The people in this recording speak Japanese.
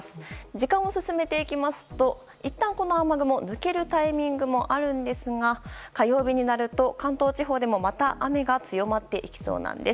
時間を進めていきますといったんこの雨雲抜けるタイミングもあるんですが火曜日になると関東地方でもまた雨が強まっていきそうなんです。